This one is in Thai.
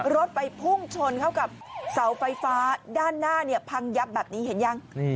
รถไปพุ่งชนเข้ากับเสาไฟฟ้าด้านหน้าเนี่ยพังยับแบบนี้เห็นยัง